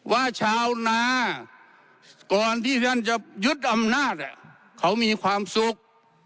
ว่าชาวนาก่อนที่ท่านจะยึดอำนาจเขามีความสุข